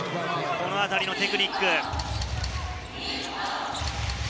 このあたりのテクニック。